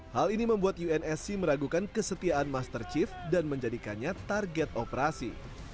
hal ini membuat unsc meragukan kesetiaan master chief dan menjadikannya target operasi